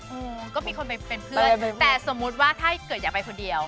อืมก็มีคนไปเป็นเพื่อนแต่สมมุติว่าถ้าเกิดอยากไปคนเดียว